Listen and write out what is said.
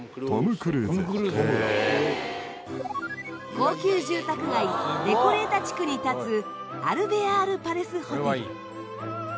高級住宅街レコレータ地区に立つアルヴェアール・パレス・ホテル。